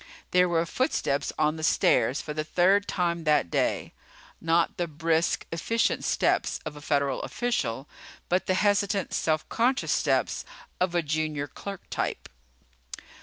There were footsteps on the stairs for the third time that day. Not the brisk, efficient steps of a federal official, but the hesitant, self conscious steps of a junior clerk type.